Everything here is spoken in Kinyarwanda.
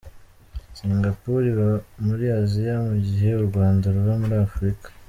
Singapour iba muri Asia mu gihe uRwanda ruba muri Afurika.